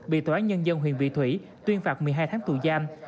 bị tòa án nhân dân huyện vị thủy tuyên phạt một mươi hai tháng tù giam